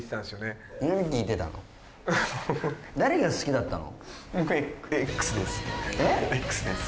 誰が好きだったの？